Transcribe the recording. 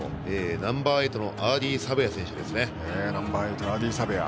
ナンバーエイトのアーディー・サベア選手ですね。